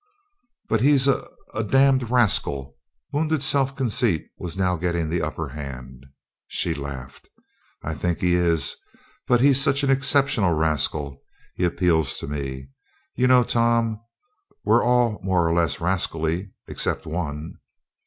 "But he's a a damned rascal!" Wounded self conceit was now getting the upper hand. She laughed. "I think he is. But he's such an exceptional rascal; he appeals to me. You know, Tom, we're all more or less rascally except one."